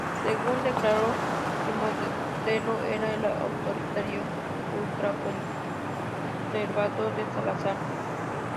Según declaró, su modelo era el autoritario ultraconservador de Salazar.